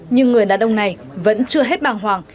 nhưng người đàn ông này vẫn chưa hết bàng hoàng